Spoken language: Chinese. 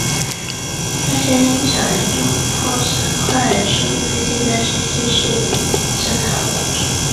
螺旋桨严重损坏说明飞机在坠机时仍正常工作。